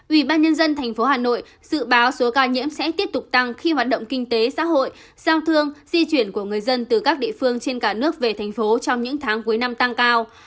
ủy ban nhân dân thành phố hà nội dự báo số ca nhiễm sẽ tiếp tục tăng khi hoạt động kinh tế xã hội giao thương di chuyển của người dân từ các địa phương trên cả nước về thành phố trong những tháng cuối năm tăng cao